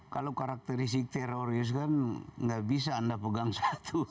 kalau karakteristik teroris kan nggak bisa anda pegang satu